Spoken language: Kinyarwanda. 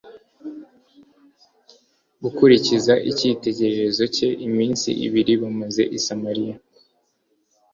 gukurikiza icyitegerezo cye; iminsi ibiri bamaze i Samaliya